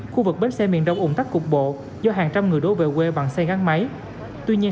khu vực bến xe miền đông ủng tắc cục bộ do hàng trăm người đổ về quê bằng xe gắn máy tuy nhiên